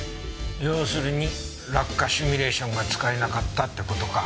要するに落下シミュレーションが使えなかったって事か。